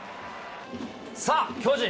さあ、巨人。